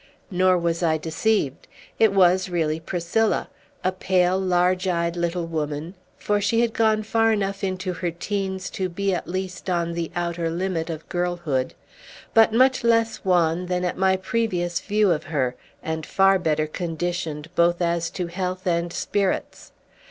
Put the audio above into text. Nor was I deceived. It was really Priscilla, a pale, large eyed little woman (for she had gone far enough into her teens to be, at least, on the outer limit of girlhood), but much less wan than at my previous view of her, and far better conditioned both as to health and spirits.